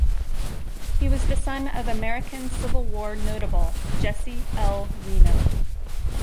He was the son of American Civil War notable Jesse L. Reno.